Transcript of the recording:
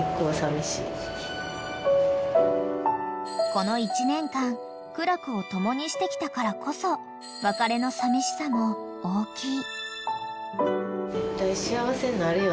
［この１年間苦楽を共にしてきたからこそ別れのさみしさも大きい］